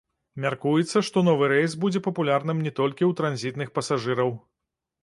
Мяркуецца, што новы рэйс будзе папулярным не толькі ў транзітных пасажыраў.